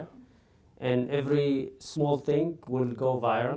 dan setiap hal kecil akan berjalan viral